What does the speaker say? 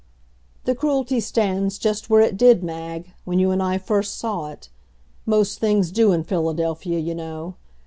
The Cruelty stands just where it did, Mag, when you and I first saw it; most things do in Philadelphia, you know.